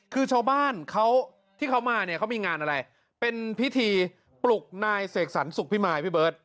คือชาวบ้านเขาที่เขามาเนี่ยเขามีงานอะไรเป็นพิธีปลุกนายเสกสรรสุขพิมายพี่เบิร์ต